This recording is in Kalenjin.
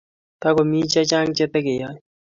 Togo miy chechang che tegeyae